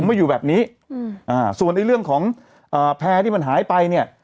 มาอยู่แบบนี้อืมอ่าส่วนไอ้เรื่องของอ่าแพร่ที่มันหายไปเนี่ย